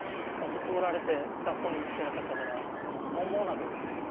ずっと売られて学校に行けなかったから文盲なわけですよね